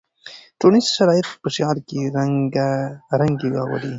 ټولنیز شرایط په شعر کې رنګارنګي راولي.